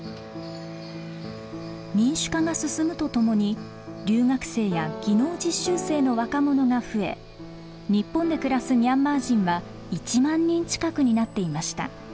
民主化が進むとともに留学生や技能実習生の若者が増え日本で暮らすミャンマー人は１万人近くになっていました。